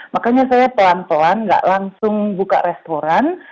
makanya saya pelan pelan nggak langsung buka restoran